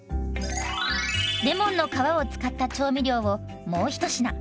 レモンの皮を使った調味料をもう一品。